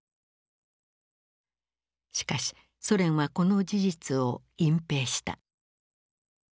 しかしソ連はこの事実を隠蔽した。